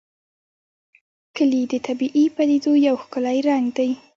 کلي د طبیعي پدیدو یو ښکلی رنګ دی.